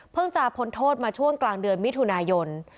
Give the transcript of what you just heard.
จะพ้นโทษมาช่วงกลางเดือนมิถุนายน